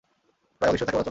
প্রায় অদৃশ্যই থাকে বলা চলে।